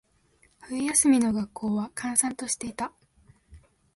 冬休みの学校は、閑散としていた。